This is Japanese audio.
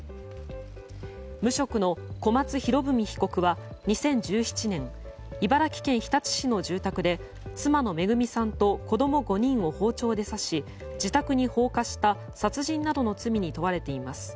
無職の小松博文被告は２０１７年茨城県日立市の住宅で妻の恵さんと子供５人を包丁で刺し自宅に放火した殺人などの罪に問われています。